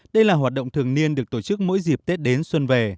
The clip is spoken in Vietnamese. đây là hoạt động thường niên được tổ chức mỗi dịp tết đến xuân về